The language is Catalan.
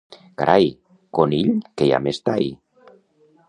—Carai! —Conill, que hi ha més tai!